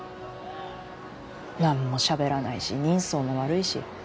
何もしゃべらないし人相も悪いし。